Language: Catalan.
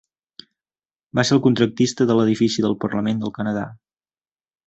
Va ser el contractista de l'edifici del Parlament del Canadà.